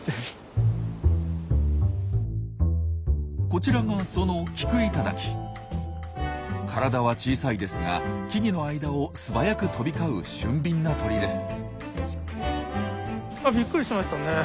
こちらがその体は小さいですが木々の間を素早く飛び交う俊敏な鳥です。